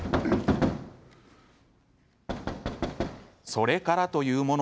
それからというもの